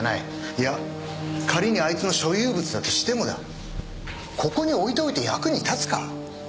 いや仮にあいつの所有物だとしてもだここに置いておいて役に立つか？